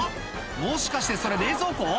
もしかしてそれ冷蔵庫？